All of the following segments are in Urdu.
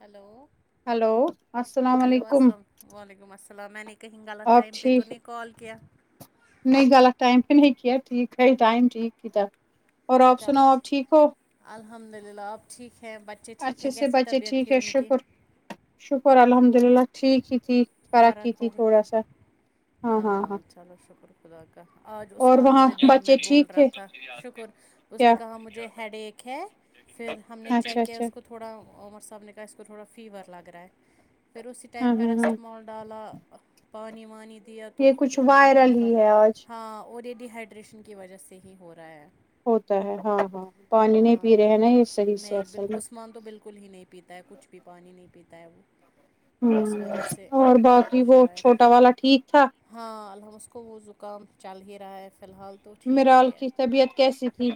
ہلو ہلو السلام ہلو علیکم السلام وعلیکم السلام میں نے کہیں غلط آپ ٹائم پہ تو ٹھیک نہیں کال کیا نہیں غلط ٹائم پہ نہیں کیا ٹھیک ہے ٹائم ٹھیک ک تھا اور آپ سناؤ آپ ٹھیک ہو الحمد للہ آپ ٹھیک ہیں بچے ٹھیک ہیں اچھے سے کیسی بچے طبیعت ٹھیک تھی ہے ان کی شکر شکر الحمد للہ ٹھیک ہی تھی فق کی فرق تھی ہوگی تھوڑا سا ہاں چلو شکر خدا کا آج اور عثمان وہاں مجھے دن بچے میں بول ٹھیک رہا تھے تھا شکر اس نے کیا کہا مجھے ہیڈ ایک ہے پھر ہم نے اچھا چیک کیا اچھا اس کو تھوڑا عمر صاحب نے کہا اس کو تھوڑا فیور لگ رہا ہے پھر اسی ہاں ٹائم ہاں ہاں پیرسٹمال ڈالا پانی وانی دیا تو یہ پھر کچھ الحمد وائرل للہفر ہی ہے آج ہاں اور یہ ڈیہائیڈریشن کی وجہ سے ہی ہو رہا ہے ہوتا ہے ہاں ہاں پانی نہیں پی ہاں رہے ہیں نا یہ صحیح سے نہیں ایسا بالکل ہی عثمان تو بالکل ہی نہیں پیتا ہے کچھ بھی پانی نہیں پیتا ہے وہ اس ہ وجہ سے اور باقی وہ شاید چھوٹا والا ٹھیک تھا ہاں الحمس کو وہ زکام چل ہی رہا ہے فی الحال تو ٹھیک مرال ہی ہے کی طبیعت کیسی تھی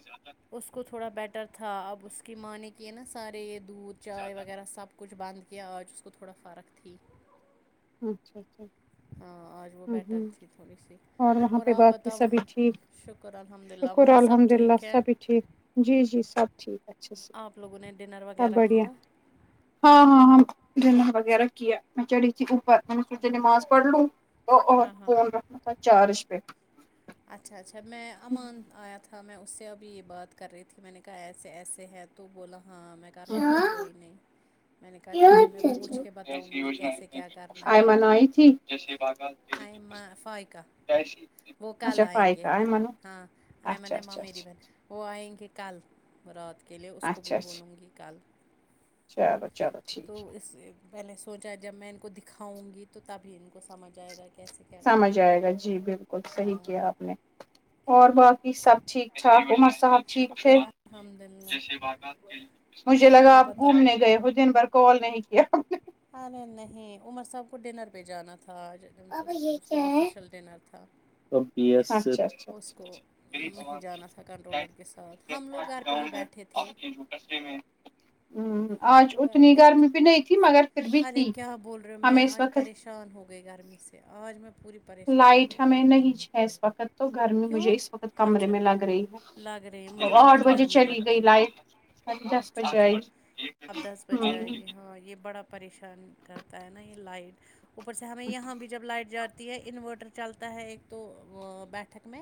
اس کو تھوڑا بیٹر تھا اب اس کی ماںنی کہ ہے نا سارے یہ دودھ چائے وغیرہ سب کچھ بند کیا آج اس کو تھوڑا فرق تھی اچھا اچھا ہاں آج وہ ہ بیٹر ہوں تھی تھوڑی سی اور وہاں پہ آپ باقی بتاؤ سبھی وہاں ٹھیک شکر الحمد للہ شکر وہاں سب الحمد للہ ٹھیک ہے سبھی ٹھیک جی جی سب ٹھیک ہے اچا آپ لوگوں نے ڈنر سب وغیرہ بڑھیا کیا ہاں ہاں ہاں ڈنا وغیرہ کیا میں چڑی اس اوپر میں سور سے نماز پڑھ لوں اور ہاں ہاں فون رکھنا تھا چارج پہ اچھا اچھا میں امان آت تھا میں اس سے ابھی یہ بات کر رہی تھی میں نے کہا ایسے ایسے ہیں تو بولا ہاں میں کروں گا کوئی نہیں میں نے کہا چلو میں پوچھ کے بتاؤں گی کیسے کیا کرنا ہے جیسیے باغا م فائقہ کیاشی وہ کل آئیں گے ہاں م اچھا نے اچھا میری اچھا ب وہ آئیں گے کل رات کے لیے اس کو بھی اچھا اچھا بولوں گی کل چلو چلو [unintelligible] تو اس پہلے سوچا جب میں ان کو دکھاؤں گی تو تبھی ان کو سمجھ آئے گا کہ سمجھ آئے گا جی بالکل صحیح ہاں کیا آپ نے اور باقی سب ٹھیک ٹھاک عمر صاحب ٹھیک تھ شکر الحمد للہ مجھے لگا آپ گھومنے گئے ہو دن بھر کال نہیں کیا ارے نہیں عمر صاحب کو ڈنر پہ جانا تھا آج اس کو آفیشیل ڈنر تھا اچھا اچھا اس ہ کو وہیں جانا تھا کنٹرولر کے ساتھ ہم لوگ گھر پہ ہی بیٹھے تھے آج ہم گھر اتنی پہ ہی تھے گرمی بھی نہیں تھی مگر پھر بھی تھی ارے کیا بول رہے ہو ہمیں میں اس آج وقت پریشان ہو گئی گرمی سے آج میں پوری پریشان ہو لائٹ گئی ہمیں گرمی نہیں سے ہے اس وقت تو گرمی کیوں مجھے اس وقت کمرے اچھا میں لگ رہی ہے لگ رہی ہیں مجھے آٹھ بہت بجے گرمی چلی گئی لگتی ہے لائٹ دس اچھا بجے اچھا آئی اب دس بجے آئے گی ہاں یہ بڑا پریشان کرتا ہے نا یہ لائٹ اوپر سے ہمیں یہاں بھی جب لائٹ جاتی یہ انورٹر چلتا ہے ایک تو بیٹھک میں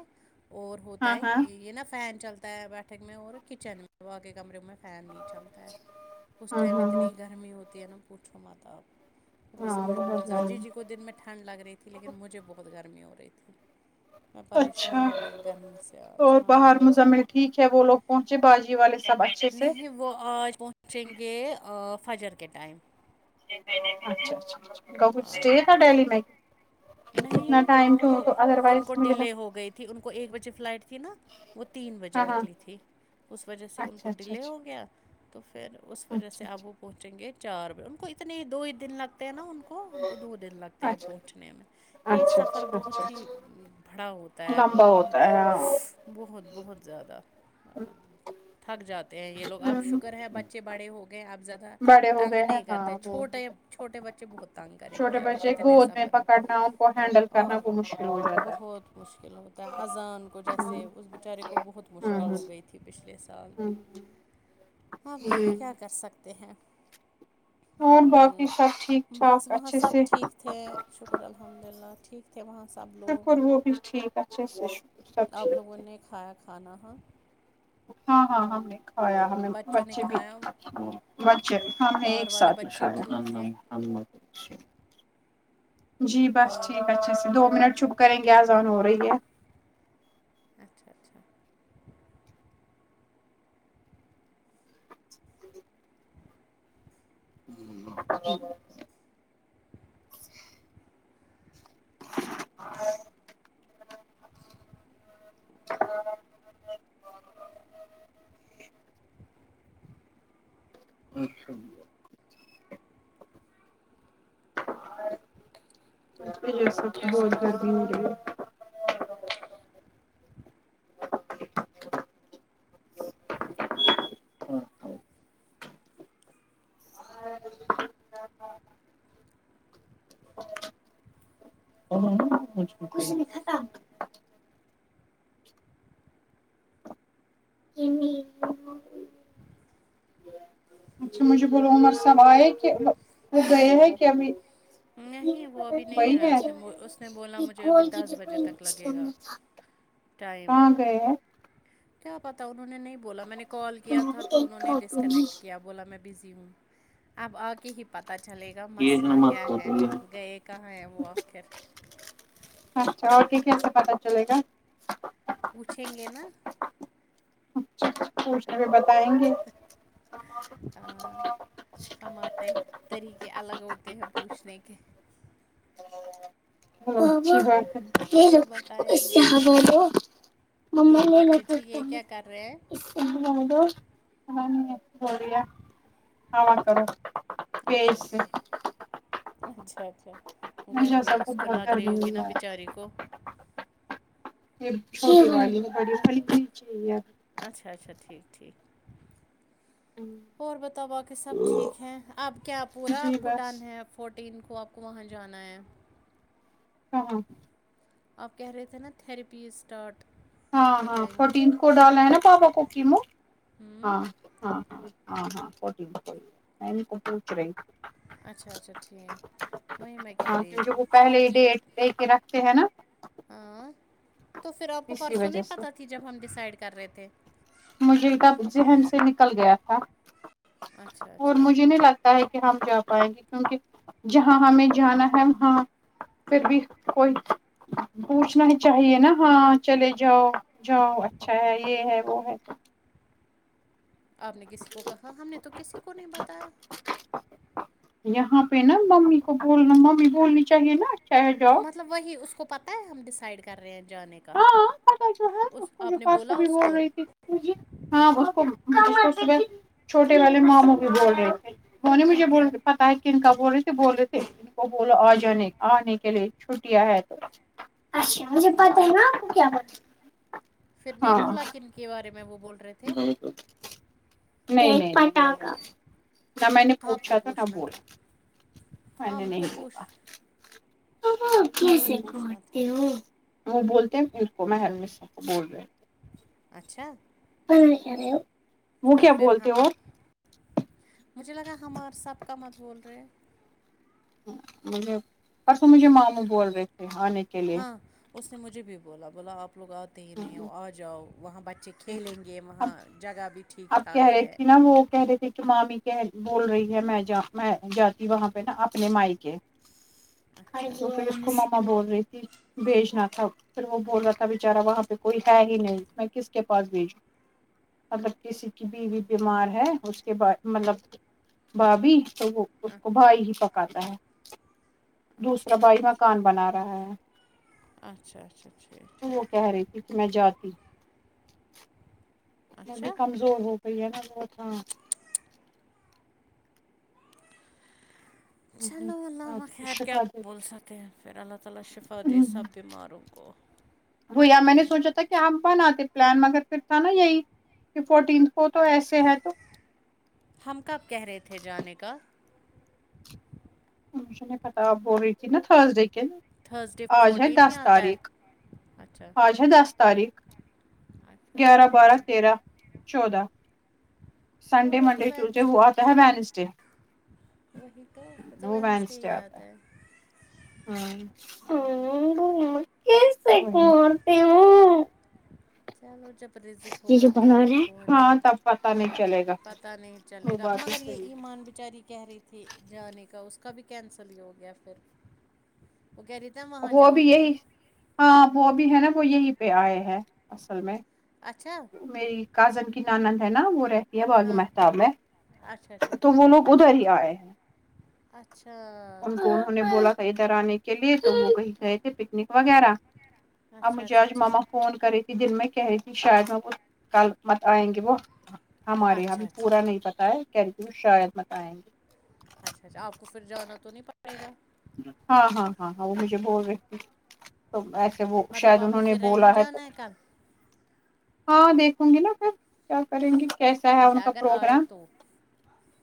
اور ہوتا ہاں ہے ہاں یہ نا فین چلتا ہے بیٹھک میں اور کچن میں واق کمرے میں فین نہیں چلتا ہے اس ہاں ٹائم ہاں ہاں اتنی گرمی ہوتی ہے نا پوچھو ماتب اوپر سے مجھے بہت زیادہ جی جی کو دن میں ٹھنڈ لگ رہی تھی لیکن مجھے بہت گرمی ہو رہی تھی میں پریشان اچھا ہو گئی گرمی سے آج اور باہر ہاں مزمل ٹھیک ہے وہ لوگ پہنچے باجی والے سب اچھے سے نہیں وہ آج پہنچیں گے فجر کے ٹائم اچھا اچھا ان کا کچھ اسٹے تھا دہلی میں کتنا نہیں ٹائم ان تو کو تو ادر ان وائز کو مجھے ڈیلے لگا ہو گئی تھی ان کو ایک بجے فلائٹ تھی نا وہ تین بجے ہاں ہاں نکلی تھی اس وجہ سے ان اچھا کو اچھا ڈیلے ہو اچھا گیا تو پھر اس وجہ اچھا سے آپ وہ پہنچیں گے چار بجے ان کو اتنے ہی دو ہی دن لگتے ہیں نا ان کو ان کو دو دن لگتے ہیں اچھا پہنچنے میں یہ اچھا سفر اچھا اچھا بہت ہی بھڑا ہوتا ہے اچھا اور لمبا بہت ہوتا ہی ہے ہاں بہت بہت زیادہ تھک جاتے ہیں یہ لوگ اب شکر ہے بچے بڑے ہو گئے آپ زیادہ بڑے ہو تنگ گئے ہیں نہیں کرتے ہاں وہ چھوٹے چھوٹے بچے بہت تنانگ کریں گے چھوٹے اگر بچے اتنے گود سفر میں پکڑنا کو ہینڈل کرنا اور کو مشکل ہو جاتا ہے بہت مشکل ہوتا ہے اذان کو جیسے اس بیچارے کو بہت مشکل ہوں ہو گئی تھی پچھلے سال بھی ہوں اب کیا ہوں کر سکتے ہیں اور ہ باقی سب ٹھیک بس ٹھاک وہاں اچھے سب سے ٹھیک تھے شکر اللہ الحمد للہ ٹھیک تھے وہاں سب لوگ شکر وہ بھی ٹھیک اچھے سے شکر سب آپ ٹھیک لوگوں نے کھایا کھانا ہا ہاں ہاں ہاں آ ہمیں بچوں نے بچے بھی کھایا بچے ہاں میں پار ایک والے ساتھ بچے ٹھیک تھے جی بس پار ٹھیک اچھا دو منٹ چ کریں گے آزن ہو رہی ہے اچھا اچھا [inaudible] [inaudible] [inaudible] [inaudible] اچھا سب تو بہت گردی ہو رہی ہے [inaudible] اور مج چین اچھا مجھے بولو عمر صاحب آئے کہ وہ گئے نہیں ہیں نہیں کہبھی نہیں وہ ابھی نہیں آیا اس نے بو- اس نے بولا مجھے ابھی دس بجے تک لگے گا [inaudible] ٹائم کہاں گئے ہیں کیا پتا انہوں نے نہیں بولا میں نے کال کیا تھا تو انہوں نے ڈسکنیکٹ کیا بولا میں بزی ہوں اب آ کے ہی پتا چلے گا مسئلہ کیا ہے گئے کہاں ہیں وہ آخر اچھا اور کیسے پتا چلے گا پوچھیں گے نا اچھا پوھاے بتائیں گے [inaudible] ہمارے طریقے الگ ہوتے ہیں پوچھنے کے [inaudible] ما تو بتائیں گے یہ بچے ٹھیک ہے کیا کر رہے ہیں یہ ولیا آو کر اچھا اچھا اچھا اچھا گھر مجھے میں سب اس کو بہت لگ رہی گرمی ہوگی ہوئی نا ہے بچاری کو یہ بڑی خلی چاہ اچھا اچھا ٹھیک ٹھیک اور بتاؤ باقی سب ٹھیک ہے اب کیا پورا جی آپ کو بس ڈن ہے فورٹین کو آپ کو وہاں جانا ہے ہاں ہاں آپ کیا رتھےنا تھھیریپیز سٹاٹ ہاں ہاں فورٹینتھ کو ڈالا ہے نا پابا کوکمو ہاں ہاں ہاں ہاں ہاں میں کو پوچھ رہے ہیں اچھا اچھا ٹھیک وہیں میں کہہ ہاں رہی ہوں کیونکہ وہ پہلے ہی فورٹی ڈیٹ لے کے رکھتے ہیں نا ہاں تو پھر آپ کو اسی پرسوں نہیں وجہ سے پتہ تھی جب ہم ڈیسائڈ کر رہے تھے مجھے کب ذہن سے نکل گیا تھا اچھا اور اچھا مجھے نہیں لگتا ہے کہ ہم جا پائیں گے کیونکہ جہاں ہمیں جانا ہے وہاں پھر بھی کوئی پوچھنا ہی چاہیے نا ہاں چلے جاؤ جاؤ اچھا ہے یہ ہے وہ ہے آپ نے کسی کو کہا ہم نے تو کسی کو نہیں بتایا یہاں پہ نا ممی کو بولنا ممی بولنی چاہیے نا اچھا ہے جاؤ مطلب وہی اس کو پتہ ہے ہم ڈیسائڈ کر رہے ہیں جانے کا ہاں پتا جو ہے کا اس کو آپ جو نے بولا پرسوں بھی اس بول کو رہی تھی ہاں چھوٹے والے ماموں بھی بول رہے تھے انہوں نے کیا مجھے پتا ہے کہ کن کا بولے تھے بولے تھے ان کو بولو آ جانے آنے کے لیے چھٹیاں ہے تو اچھا مجھے پتا ہے اچھا نا آپ کو کیا پھر نہیں ہاں بولا کن کے بارے میں وہ بول رہے تھے پٹاخا نہ میں نے آپ پوچھا کو تو نہ پوچھنا تھا بولا میں نے آپ کو نہیں پوچھ بولا آپ کو پوچھنا تھا وہ بولتے ہیں ان کو میں ہمی کو بول رہے اچھا پڑای کیا رہو تو پھر ہم مجھے لگا ہم اور سب کا مت بول رہے ہیں مجھے پرسوں مجھے ماموں بول رہے تھے آنے کے لیے ہاں اس نے مجھے بھی بولا بولا آپ لوگ آتے ہی نہیں ہو آ جاؤ وہاں بچے کھیلیں گے اب وہاں جگہ بھی ٹھیک اب کہہ ٹھاک رہی ہے تھی نا وہ کہہ رہے تھے کہ مامی بول رہی ہے میں جا میں جاتی وہاں پہ نا اپنے مائ کے اچھا [unintelligible] بول رہی تھی بھیجنا تھا پھر وہ بول رہا تھا بچارا وہاں پہ کوئی ہے ہی نہیں میں کس کے پاس بھیجو مطلب کسی کی بیوی بیمار ہے اس کے پاس مطلب بھابی تو وہ اس کو بھائی ہی پکاتا ہے دوسرا اچھا بھائی مکان بنا رہا ہے اچھا اچھا ٹھیک تو وہ ٹھیک کہہ رہی تھی کہ میں جاتی ہو میں بھی اچھا کمزور ہو گئی ہے نا بہت ہاں چلو اللہ آپ کو خیر کیا شفا دے بول سکتے ہیں پھر اللہ تعالی شفا دے سب بیماروں کو بھ یا میں نے سوچا تھا کہ ہمپ بناتتے پلان مگر پھر تھا نا یہی کہ فورٹینتھ کو تو ایسے ہے تو ہم کب کہہ رہے تھے جانے کا مجھے نہیں پتہ آپ بول رہی تھی نہ تھرزڈے کے دن تھرسڈے آج ہے فورٹین ہی دس آتا ہے تاریخ اچھا آج ہے دس تاریخ [unintelligible] اچھا اچھا گیارہ بارہ ٹھیک تیرہ چودہ سنڈے چودہ تو منڈے ٹوزڈے وینسڈے وہ آتا ہے وینسڈے وہی تو تو وہ وینسڈے وینس ہی ڈے آتا یاد ہے [unintelligible] چلو جب رزک یہ جو ہوگا تو بنا ہم رہے ہیں پہنچیں ہاں تب پتہ نہیں چلے گا پتہ نہیں چلے وہ گا بات مگر صحیح یہ ہے ایمان بچاری کہہ رہی تھی جانے کا اس کا بھی کینسل ہی ہو گیا پھر وہ کہہ رہی تھی میں وہاں وہ بھی جاؤں گی یہی ہاں وہ بھی ہے نا وہ یہی پہ آئے ہیں اصل میں اچھا میری کازن کی نانند ہے نا وہ رہتی ہے باغ ہاں محتاب میں اچھا اچھا تو وہ لوگ ادھر ہی آئے ہیں اچھا ان کو انہوں نے بولا تھا ادھر آنے کے لیے تو وہ کہیں گئے تھے پکنک وغیرہ اب اچھا مجھے اچھا ٹھیک ماما فون کری تھی دن میں کہ رہی تھی شاید ہم کل مت آئیں گے وہ ہمارے یہاں اچھا بھی اچھا پورا نہیں پتا ہے کہ رہ کہ وہ شاید مت آئیں گے اچھا اچھا آپ کو پھر جانا تو نہیں پڑے گا ہاں ہاں ہاں ہاں وہ مجھے بول رہی تھے تو ایسے وہ مطلب شاید آپ کو انہوں نے پھر بولا رہنے ہے تو جانا کل ہاں دیکھوں گی نا پھر کیا کریں گی کیسا ہے ان اچھا کا اگر آئے پروگرام تو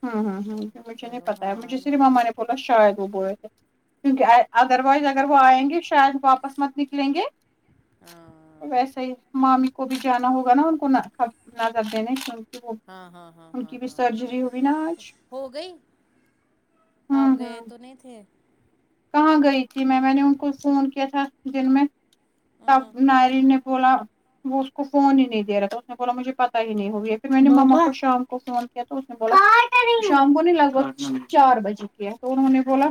ہوں ہوں ہ مجھے نہیں چلو پتا ہاں مجھے پول شاید وہ ب تھ کیونکہ ادر وائز اگر وہ آئیں گے شاید واپس مت نکلیں گے ہاں ویسے ہی مامی کو بھی جانا ہوگا نا ان کو نرکھب نظر دینے کیونکہ وہ ہاں ہاں ہاں ان ہاں کی بھی ہاں سرجری ضرور ہوئی نا آج ہو گئی آپ ہوں گئے ہوں تو نہیں تھے کہاں گئی تھی میں میں نے ان کو فون کیا تھا دن میں تب ن نے بولا وہ اس کو فون ہی نہیں دے رہا تھا اس نے بولا مجھے پتا ہی نہیں ہوگ ہے پھر میں نے ماما کو شام فون کیا تو اس نے ب شام کو نہیں لگ بھگ چار بجے کیا تو انہوں نے بولا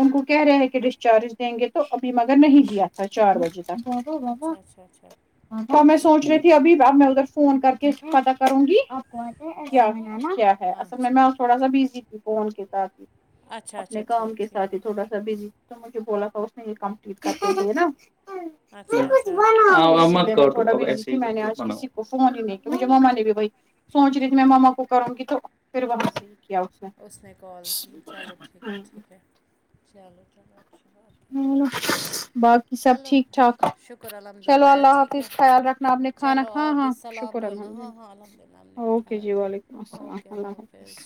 ان کو کہہ رہےہے کہ ڈسچارج دیں گے تو ابھی مگر نہیں گیا تھا چار بجے تک اچھا اچھا اچھا [unintelligible] تو میں سوچ رہی تھی ابھی اب میں ادھر فون کر کے پتاہ کروں گی آپ کو کیا ہے اصل میں اچھا میں تھوڑا سا بزی تھی فون کے ساتھ ہی اچھا اچھا اپنے کام ٹھیک کے ٹھیک ساتھ ہی تھوڑا سا بزی تو مجھے بولا تھا اس نے یہ کم [unintelligible] تھوا اچھا اچھا میں نے آج کسی کو فون ہی نہیں کہ مجھے ما نے بھی بھائی [unintelligible] سوچ رہی ت کہ میں ماما کو کروں گی تو پھر وہاں سے یہح کیا اس اس نے کال کی چلو ٹھیک ہے نے ٹھیک ہے چلو چلو اچھا ہ باق [unintelligible] سب چلو ٹھیک ٹھاک شکر الحمد للہ چلو بیا اللہ ٹھیک حافظ ہے خیال رکھنا آپ نے کھانا چلو کھاں آپ ہاں بھی سلام شکر بولنا الحمدن ہاں ہاں الحمد للہ ہم نے بھی اوکے کھایا جی وعلیکم السلام اللہ حافظ